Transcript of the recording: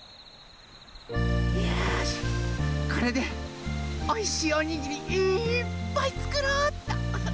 よしこれでおいしいおにぎりいっぱいつくろうっと。